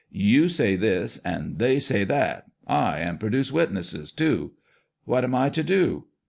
You say this, and they say that, aye, and produce witnesses, too. What am I to do